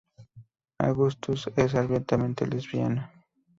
Augustus es abiertamente lesbiana.